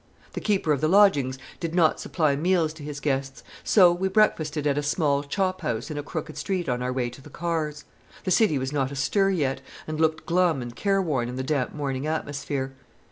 The keeper of the lodgings did not supply meals to his guests; so we breakfasted at a small chophouse in a crooked street on our way to the cars. The city was not astir yet, and looked glum and careworn in the damp morning atmosphere.